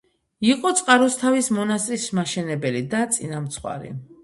იყო წყაროსთავის მონასტრის მაშენებელი და წინამძღვარი.